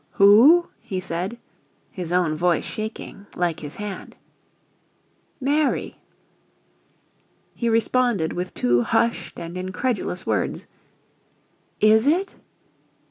"Who?" he said, his own voice shaking like his hand. "Mary." He responded with two hushed and incredulous words: "IS IT?"